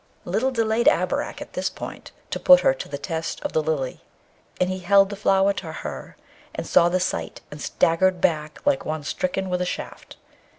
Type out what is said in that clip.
Little delayed Abarak at this to put her to the test of the Lily, and he held the flower to her, and saw the sight, and staggered back like one stricken with a shaft.